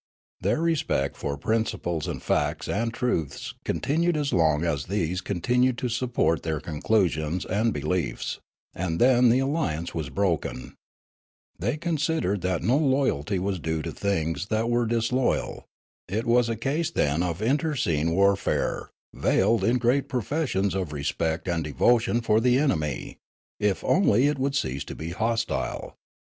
Their respect for principles and facts and truths continued as long as these continued to support their conclusions and be liefs; and then the alliance was broken ; they considered that no loyalty was due to things that were disloyal ; it was a case, then, of internecine warfare ; veiled in 240 Riallaro great professions of respect and devotion for the enemy, if only it would cease to be hostile.